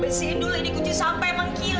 bersihin dulu di kucing sampai mengkilap